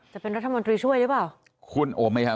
จะเป็นรัฐบริช่วยรึเปล่า